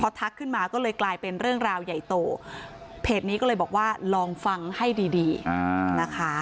ทักขึ้นมาก็เลยกลายเป็นเรื่องราวใหญ่โตเพจนี้ก็เลยบอกว่าลองฟังให้ดีดีนะคะ